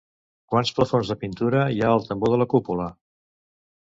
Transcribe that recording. Quants plafons de pintura hi ha al tambor de la cúpula?